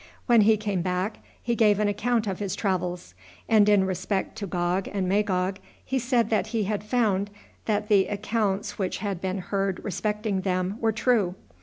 When he came back he gave an account of his travels; and in respect to Gog and Magog, he said that he had found that the accounts which had been heard respecting them were true.